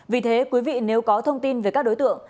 vì thế quý vị nếu có thông tin về các đối tượng